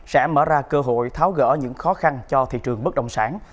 sẽ mở ra cơ hội tháo gỡ những khó khăn cho thị trường bất động sản